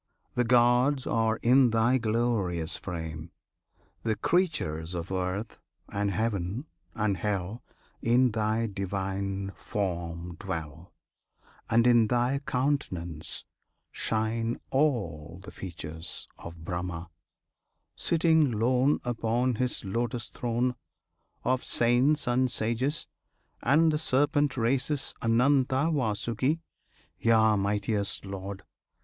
The gods are in Thy glorious frame! the creatures Of earth, and heaven, and hell In Thy Divine form dwell, And in Thy countenance shine all the features Of Brahma, sitting lone Upon His lotus throne; Of saints and sages, and the serpent races Ananta, Vasuki; Yea! mightiest Lord!